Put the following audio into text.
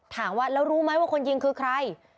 ถามว่าแล้วรู้ไหมว่าคนยิงคือใคร